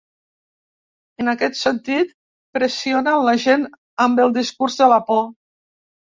En aquest sentit, pressionen la gent amb el discurs de la por.